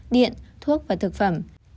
điện thuốc và thực phẩm